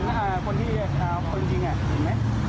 ไม่โดนจริงไหมแล้วเห็นคนที่เพิ่งจริงไหม